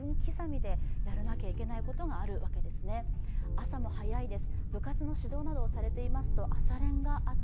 朝も早いです。